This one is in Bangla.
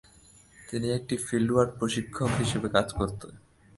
তিনি একটি ফিল্ড ওয়ার্ক প্রশিক্ষক হিসেবে কাজ করতে।